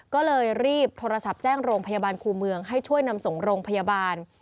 ก็เลยรีบโทรศัพท์แจ้งโรงพยาบาลครูเมืองให้ช่วยนำส่งโรงพยาบาล